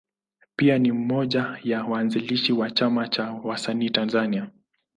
Pia ni mmoja ya waanzilishi wa Chama cha Wasanii Tanzania.